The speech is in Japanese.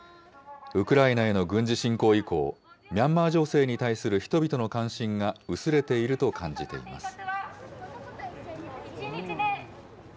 ウクライナへの軍事侵攻以降、ミャンマー情勢に対する人々の関心が薄れていると感じています。